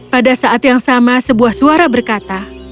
pada saat yang sama sebuah suara berkata